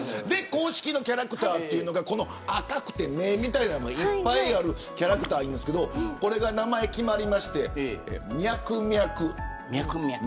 公式のキャラクターが赤くて目みたいなのいっぱいあるキャラクターいるんですけどこれが名前決まりましてミャクミャク。